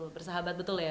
persahabat betul ya kang